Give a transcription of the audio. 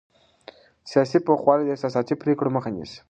سیاسي پوخوالی د احساساتي پرېکړو مخه نیسي